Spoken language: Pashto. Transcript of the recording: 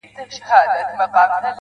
په هورې هوا کوي چېرې چې باغ وي